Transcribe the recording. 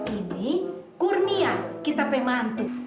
ini kurnia kitab pemantu